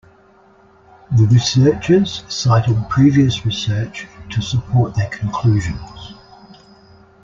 The researchers cited previous research to support their conclusions.